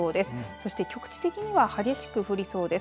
そして局地的には激しく降りそうです。